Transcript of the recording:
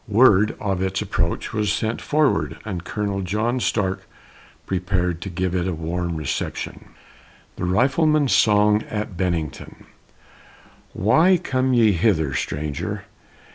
Word of its approach was sent forward and Colonel John Stark prepared to give it a warm reception. THE RIFLEMAN'S SONG AT BENNINGTON Why come ye hither, stranger?